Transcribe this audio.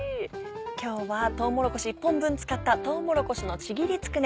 今日はとうもろこし１本分使った「とうもころしのちぎりつくね」。